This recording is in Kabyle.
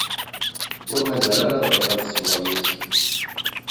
Ur mazal ara bɣiɣ ad ssiwleɣ yid-k.